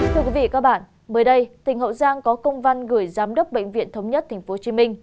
thưa quý vị và các bạn mới đây tỉnh hậu giang có công văn gửi giám đốc bệnh viện thống nhất tp hcm